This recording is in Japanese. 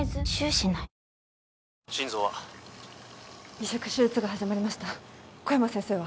移植手術が始まりました小山先生は？